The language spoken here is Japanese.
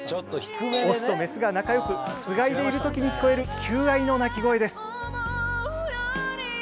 オスとメスが仲よくつがいでいる時に聞こえる求愛の鳴き声です。